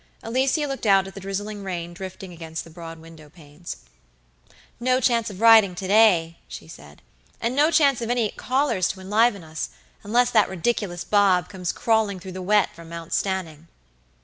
Alicia looked out at the drizzling rain drifting against the broad window panes. "No riding to day," she said; "and no chance of any callers to enliven us, unless that ridiculous Bob comes crawling through the wet from Mount Stanning."